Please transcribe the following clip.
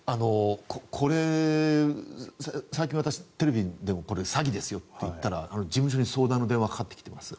これ、最近テレビでもこれ、詐欺ですよって言ったら事務所に相談の電話がかかってきています。